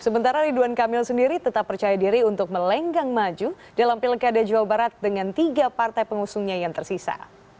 sementara ridwan kamil sendiri tetap percaya diri untuk melenggang maju dalam pilkada jawa barat dengan tiga partai pengusungnya yang tersisa